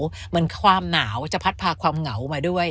ไม่เป็นเฉพาะอะไรมันความหนาวจะพัดพาความเงามาด้วย